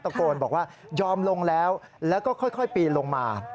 โกนบอกว่ายอมลงแล้วแล้วก็ค่อยปีนลงมา